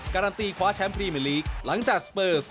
การันตีคว้าแชมป์พรีเมอร์ลีกหลังจากสเปอร์ส